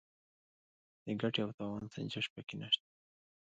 د ګټې او تاوان سنجش پکې نشته.